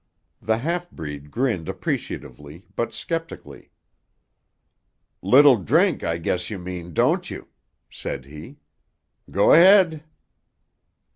The half breed grinned appreciatively but sceptically. "Little drink, I guess you mean, don't you?" said he. "Go 'head."